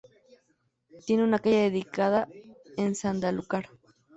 Tiene una calle dedicada en Sanlúcar.